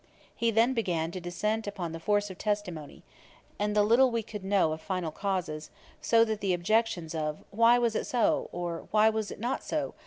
He then began to descant upon the force of testimony, and the little we could know of final causes; so that the objections of, why was it so? or why was it not so?